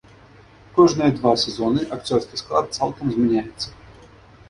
Кожныя два сезоны акцёрскі склад цалкам змяняецца.